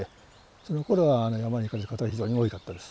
そのころは山に行かれる方が非常に多いかったです。